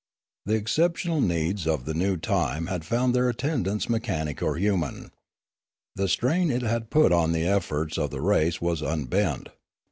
The exceptional needs of the new time had found their attendants mechanic or human. The strain it had put on the efforts of the race was unbent.